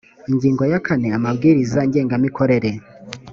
ingingo ya kane amabwiriza ngengamikorere